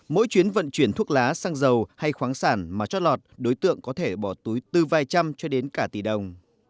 mỗi chuyến vận chuyển thuốc lá sang dầu hay khoáng sản mà trót lọt đối tượng có thể bỏ túi tư vai trăm